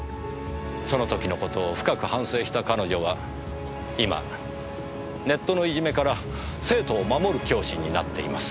その時の事を深く反省した彼女は今ネットのいじめから生徒を守る教師になっています。